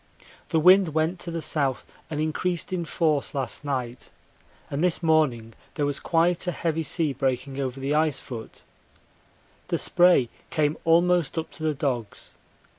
The wind went to the south and increased in force last night, and this morning there was quite a heavy sea breaking over the ice foot. The spray came almost up to the dogs.